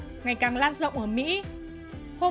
song omicron ngày càng lan rộng